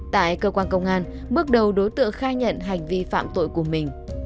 tại cơ quan công an bước đầu đối tượng khai nhận hành vi phạm tội của mình